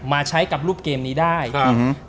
มาใช้กับรูปเกมนี้ได้ครับ